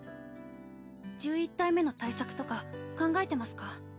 １１体目の対策とか考えてますか？